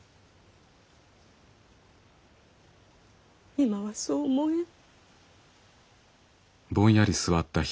今はそう思えん。